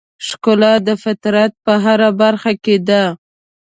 ښکلا د فطرت په هره برخه کې ده.